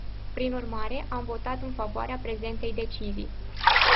Prin urmare, am votat în favoarea prezentei decizii.